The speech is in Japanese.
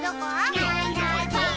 「いないいないばあっ！」